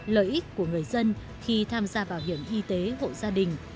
lợi ích của người dân khi tham gia bảo hiểm y tế hộ gia đình